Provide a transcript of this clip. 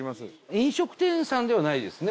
飲食店さんではないですね。